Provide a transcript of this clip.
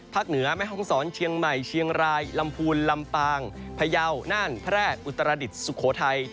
เหนือแม่ห้องศรเชียงใหม่เชียงรายลำพูนลำปางพยาวน่านแพร่อุตรดิษฐ์สุโขทัย